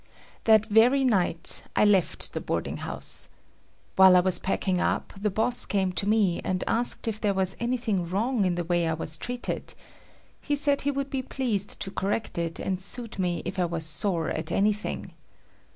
That very night I left the boarding house. While I was packing up, the boss came to me and asked if there was anything wrong in the way I was treated. He said he would be pleased to correct it and suit me if I was sore at anything.